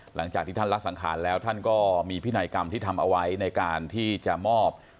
หลังจากที่ท่านละสังขารแล้วท่านก็มีพินัยกรรมที่ทำเอาไว้ในการที่จะมอบ